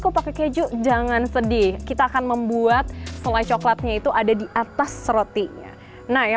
kok pakai keju jangan sedih kita akan membuat selai coklatnya itu ada di atas rotinya nah yang